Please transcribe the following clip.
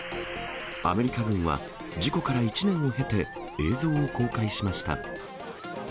アメリカ軍は、事故から１年を経て映像を公開しました。